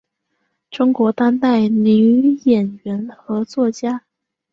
中国当代女演员和作家。